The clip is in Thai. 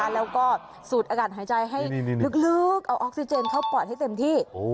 แล้วก็สูดอากาศหายใจให้ลึกเอาออกซิเจนเข้าปอดให้เต็มที่